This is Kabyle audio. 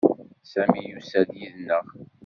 Sami yusa-d yid-neɣ.